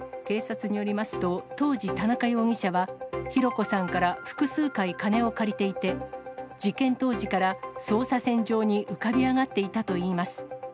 警察によりますと、当時、田中容疑者は弘子さんから複数回金を借りていて、事件当時から捜査線上に浮かび上がっていたといいます。